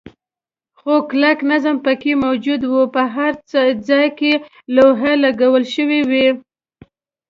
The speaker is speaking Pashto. خو کلک نظم پکې موجود و، په هر ځای کې لوحې لګول شوې وې.